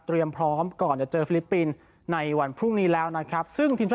เตรียมพร้อมก่อนจะเจอฟิลิปปินส์ในวันพรุ่งนี้แล้วนะครับ